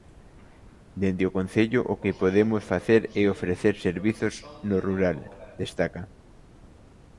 "Dende o Concello o que podemos facer é ofrecer servizos no rural", destaca.